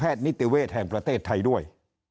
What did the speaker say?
และสมาคมแพทย์นิตเวทแห่งประเทศไทย